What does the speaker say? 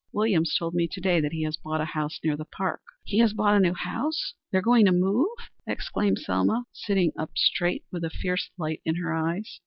Williams told me to day that he has bought a house near the park." "He has bought a new house? They are going to move?" exclaimed Selma, sitting up straight, and with a fierce light in her eyes.